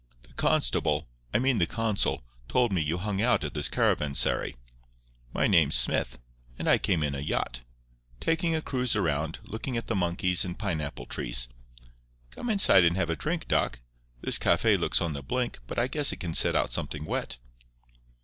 "The constable—I mean the consul, told me you hung out at this caravansary. My name's Smith; and I came in a yacht. Taking a cruise around, looking at the monkeys and pineapple trees. Come inside and have a drink, Doc. This café looks on the blink, but I guess it can set out something wet."